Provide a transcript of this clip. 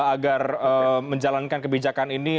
agar menjalankan kebijakan ini